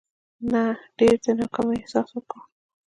نه ډېر د ناکامي احساس وکړو.